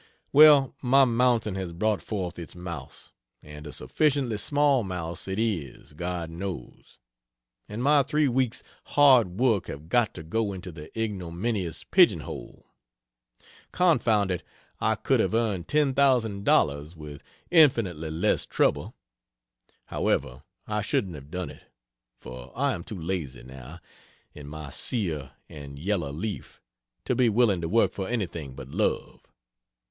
Well, my mountain has brought forth its mouse, and a sufficiently small mouse it is, God knows. And my three weeks' hard work have got to go into the ignominious pigeon hole. Confound it, I could have earned ten thousand dollars with infinitely less trouble. However, I shouldn't have done it, for I am too lazy, now, in my sere and yellow leaf, to be willing to work for anything but love.....